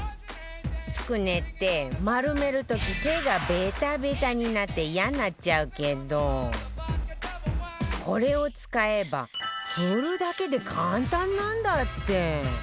つくねって丸める時手がベタベタになってイヤになっちゃうけどこれを使えば振るだけで簡単なんだって